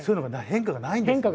変化がないんですね。